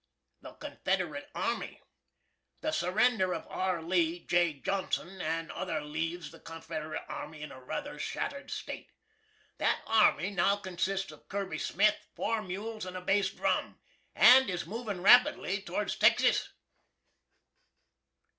THE CONFEDERATE ARMY. The surrender of R. Lee, J. Johnston and others leaves the Confedrit Army in a ruther shattered state. That army now consists of Kirby Smith, four mules and a Bass drum, and is movin' rapidly to'rds Texis.